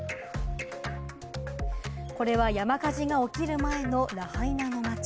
これは山火事が起きる前のラハイナの街。